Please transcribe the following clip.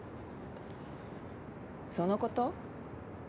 そのこと？